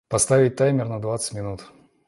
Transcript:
Поставить таймер на двадцать минут.